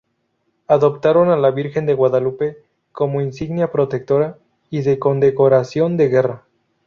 Adoptaron a la Virgen de Guadalupe como insignia protectora y de condecoración de guerra.